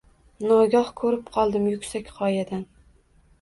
Nogoh ko’rib qoldim… Yuksak qoyadan